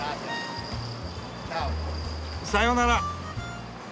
さよなら。